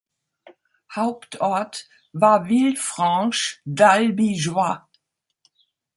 Hauptort war Villefranche-d’Albigeois.